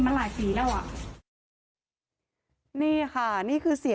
แบบนิ้วปีดำเนินขดี